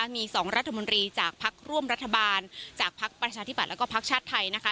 มี๒รัฐมนตรีจากพักร่วมรัฐบาลจากภักดิ์ประชาธิบัตย์แล้วก็พักชาติไทยนะคะ